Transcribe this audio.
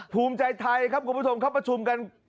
ภูมิใจไทยครับคุณผู้ชมครับประชุมกัน